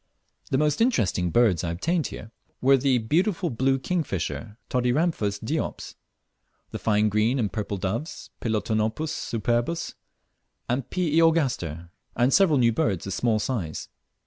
The most interesting birds I obtained here, were the beautiful blue kingfisher, Todiramphus diops; the fine green and purple doves, Ptilonopus superbus and P. iogaster, and several new birds of small size.